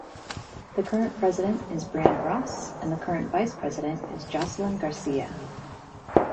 The current President is Breana Ross, and the current Vice President is Joseline Garcia.